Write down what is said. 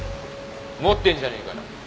持ってんじゃねえかよ。